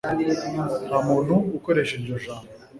ntamuntu ukoresha iryo jambo